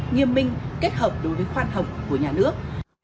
nghiêm minh kết hợp đối với khoan hồng của nhà nước